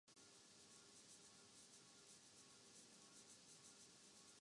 حد سے تجاوز بھی ہوتا ہے کہ انسان کا وتیرہ یہی ہے۔